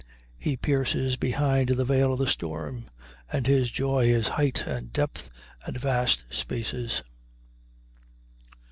He pierces behind the veil of the storm, and his joy is height and depth and vast spaces.